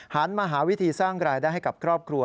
หันมาหาวิธีสร้างรายได้ให้กับครอบครัว